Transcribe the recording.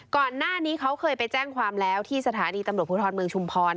ก่อนหน้านี้เขาเคยไปแจ้งความแล้วที่สถานีตำรวจภูทรเมืองชุมพร